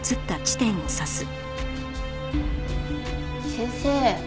先生